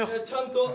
ちゃんと。